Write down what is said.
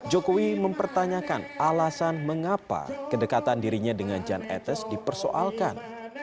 jokowi mempertanyakan alasan mengapa kedekatan dirinya dengan jan etes dipersoalkan